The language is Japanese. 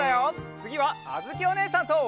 つぎはあづきおねえさんと。